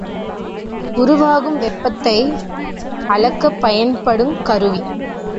உருவாகும் வெப்பத்தை அளக்கப் பயன்படுங் கருவி.